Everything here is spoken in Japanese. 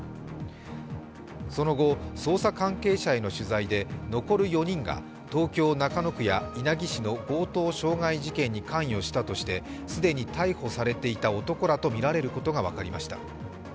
その後、捜査関係者への取材で残る４人が東京・中野区や稲城市の強盗傷害事件に関与したとして既に逮捕されていた男らとみられることが分かりました。